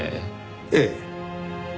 ええ。